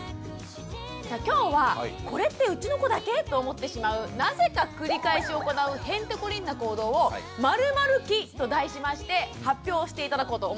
今日はこれってうちの子だけ？と思ってしまうなぜか繰り返し行うヘンテコリンな行動を「○○期」と題しまして発表して頂こうと思っております！